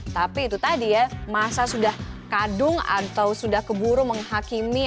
tapi itu tadi ya masa sudah kadung atau sudah keburu menghakimi